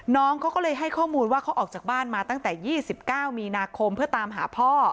น้องเขาก็เลยให้ข้อมูลว่าเขาออกจากบ้านมาตั้งแต่๒๙มีนาคมเพื่อตามหาพ่อ